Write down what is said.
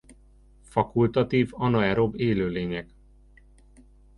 Fakultatív anaerob élőlények.